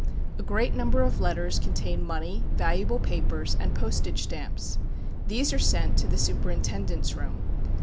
A great number of letters contain money, valuable papers, and postage stamps. These are sent to the superintendent's room.